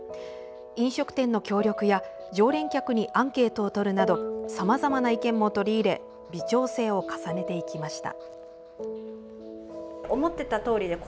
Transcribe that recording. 飲食店の協力や常連客にアンケートをとるなどさまざまな意見も取り入れ微調整を重ねていきました。